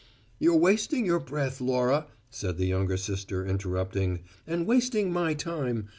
"You're wasting your breath, Laura," said the younger sister, interrupting, "and wasting my time.